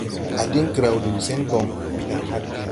A din graw liw sen bon.